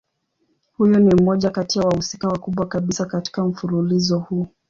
Huyu ni mmoja kati ya wahusika wakubwa kabisa katika mfululizo huu.